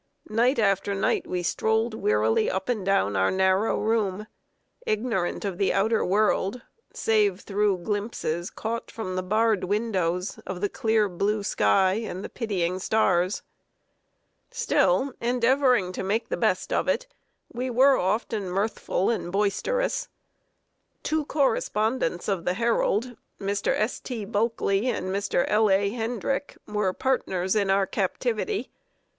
Night after night we strolled wearily up and down our narrow room, ignorant of the outer world, save through glimpses, caught from the barred windows, of the clear blue sky and the pitying stars. Still, endeavoring to make the best of it, we were often mirthful and boisterous. Two correspondents of The Herald, Mr. S. T. Bulkley and Mr. L. A. Hendrick, were partners in our captivity.